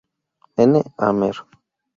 N. Amer.